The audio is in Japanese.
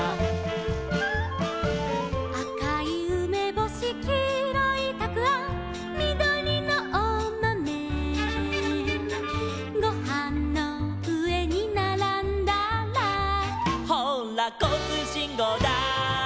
「あかいうめぼし」「きいろいたくあん」「みどりのおまめ」「ごはんのうえにならんだら」「ほうらこうつうしんごうだい」